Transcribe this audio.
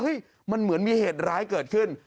มันเหมือนมีเหตุร้ายเกิดขึ้น